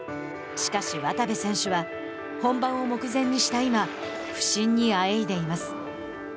しかし、渡部選手は本番を目的にした今不振にあえいでいます。